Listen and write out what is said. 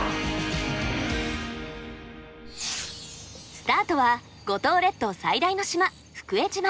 スタートは五島列島最大の島福江島。